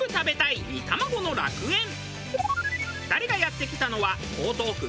２人がやって来たのは。